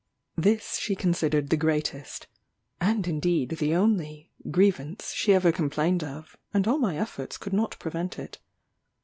This she considered the greatest, and indeed the only, grievance she ever complained of, and all my efforts could not prevent it.